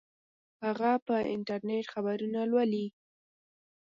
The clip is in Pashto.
هغه په انټرنیټ خبرونه لولي